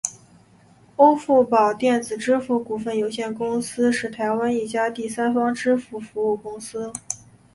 欧付宝电子支付股份有限公司是台湾一家第三方支付服务公司。